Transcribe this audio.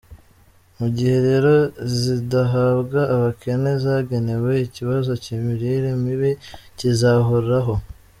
Mu gihe rero zidahabwa abakene zagenewe, ikibazo cy’imirire mibi kizahoraho.